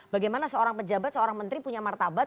bagaimana seorang pejabat seorang menteri punya martabat